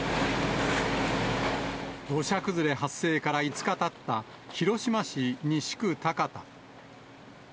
土砂崩れ発生から５日たった広島市西区田方。